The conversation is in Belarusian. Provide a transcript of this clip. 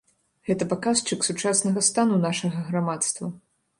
Гэта паказчык сучаснага стану нашага грамадства.